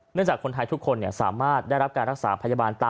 เนื่องจากทุกคนเนี่ยสามารถได้รับการรักษาพยาบาล